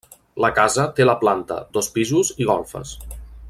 La casa té la planta, dos pisos i golfes.